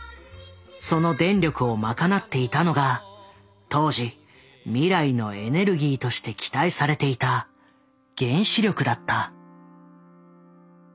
その電力を賄っていたのが当時未来のエネルギーとして期待されていた原子力だった。